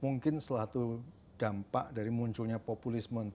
mungkin salah satu dampak dari munculnya populisme tadi itu